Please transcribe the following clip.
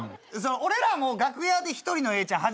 俺らは楽屋で一人の永ちゃん